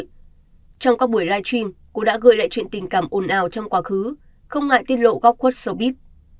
trong các buổi live stream cô đã gợi lại chuyện tình cảm ồn ào trong quá khứ không ngại tiết lộ góc quất sâu bíp